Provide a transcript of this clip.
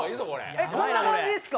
え、こんな感じですか？